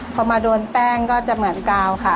พอมาโดนแป้งก็จะเหมือนกาวค่ะ